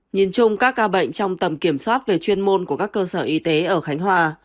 nhìn chung các ca bệnh trong tầm kiểm soát về chuyên môn của các cơ sở y tế ở khánh hòa